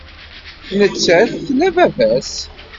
Nettat tla baba-s.